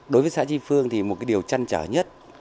đối với xã tri phương thì một cái điều chăn trở nhất